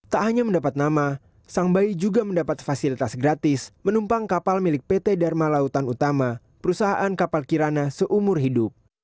tak hanya mendapat nama sang bayi juga mendapat fasilitas gratis menumpang kapal milik pt dharma lautan utama perusahaan kapal kirana seumur hidup